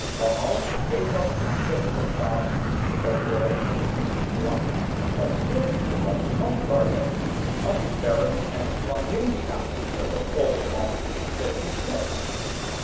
Van Hall gave up the unthankful task (February, 1861), but still it was not Thorbecke, but Baron S. van Heemstra that was called upon to take his place.